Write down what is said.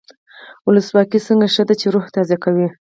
ولسواکي ځکه ښه ده چې روح تازه کوي.